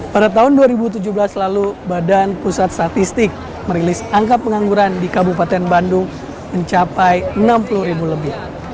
pada tahun dua ribu tujuh belas lalu badan pusat statistik merilis angka pengangguran di kabupaten bandung mencapai enam puluh ribu lebih